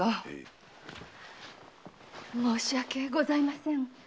申し訳ございません。